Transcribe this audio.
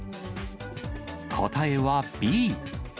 答えはＢ。